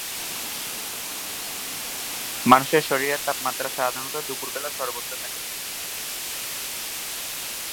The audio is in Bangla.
মানুষের শরীরের তাপমাত্রা সাধারণত দুপুর বেলা সর্বোচ্চ থাকে।